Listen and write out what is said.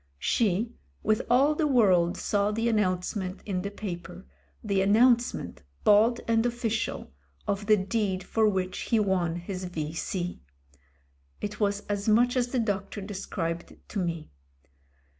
She, with all the world, saw the announcement in the paper, the announcement — ^bald and official of the deed for which he won his V.C. It was much as the doctor described it to me.